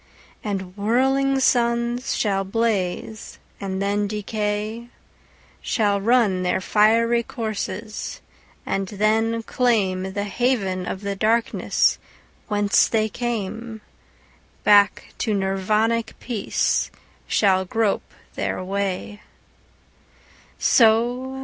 And whirling suns shall blaze and then decay, Shall run their fiery courses and then claimThe haven of the darkness whence they came; Back to Nirvanic peace shall grope their way.